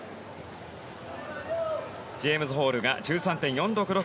ジェームズ・ホールが１３．４６６。